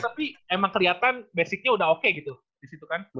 tapi emang kelihatan basicnya udah oke gitu di situ kan